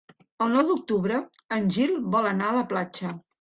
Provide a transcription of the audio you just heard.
El nou d'octubre en Gil vol anar a la platja.